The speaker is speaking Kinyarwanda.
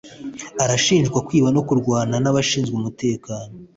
Arashinjwa kwiba no kurwana nabashinzwe umutekano